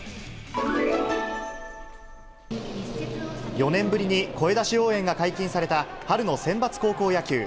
４年ぶりに声出し応援が解禁された、春のセンバツ高校野球。